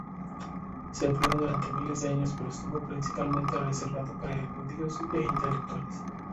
Se empleó durante miles de años pero estuvo principalmente reservado para eruditos e intelectuales.